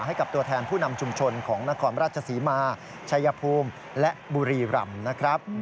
ให้กับตัวแทนผู้นำชุมชนของนครราชศรีมาชัยภูมิและบุรีรำนะครับ